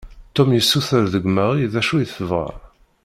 Tom yessuter deg Marie d acu i tebɣa.